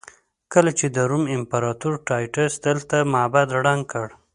کله چې د روم امپراتور ټایټس دلته معبد ړنګ کړ.